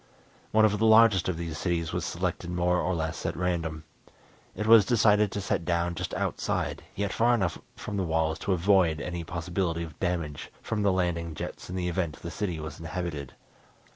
One of the largest of these cities was selected more or less at random. It was decided to set down just outside, yet far enough from the walls to avoid any possibility of damage from the landing jets in the event the city was inhabited.